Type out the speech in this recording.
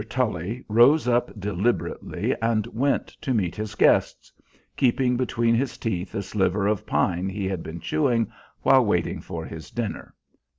Tully rose up deliberately and went to meet his guests, keeping between his teeth the sliver of pine he had been chewing while waiting for his dinner.